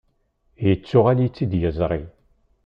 Yettuɣal-itt-id yiẓri.